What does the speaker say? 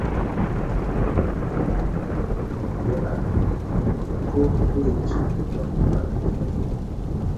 yaityo nebo ungot nebo lakwenyi ko koipchi ngwanindo neo